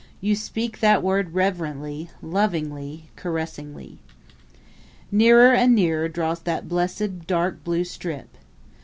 You speak that word reverently, lovingly, caressingly. Nearer and nearer draws that blessed dark blue strip.